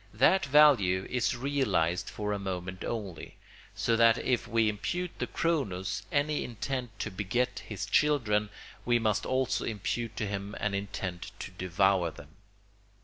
That value is realised for a moment only; so that if we impute to Cronos any intent to beget his children we must also impute to him an intent to devour them.